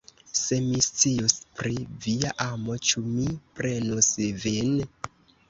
Se mi scius pri via amo, ĉu mi prenus vin!